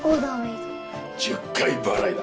１０回払いだ。